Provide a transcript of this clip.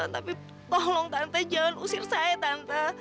tapi tolong tante jangan usir saya tante